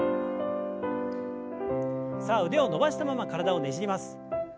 さあ腕を伸ばしたまま体をねじります。